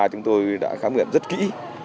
anh em lực lượng sáng ngửa rất kỹ